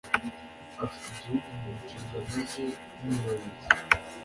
afite Igihugu mu nshingano ze nk Umuyobozi